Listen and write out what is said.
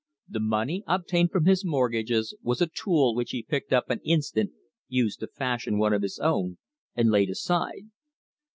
The money obtained from his mortgages was a tool which he picked up an instant, used to fashion one of his own, and laid aside.